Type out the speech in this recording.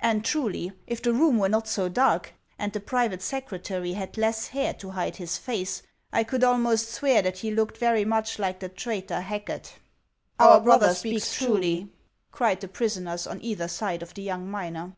And truhP , if the room were not so dark, and tLe private secretary had less hair lo L:de bis face, I could almost swear that he looked very much like the traitor Hacket.* 440 HANS OF ICELAND, "Our brother speaks truly," cried the prisoners on either side of the young miner.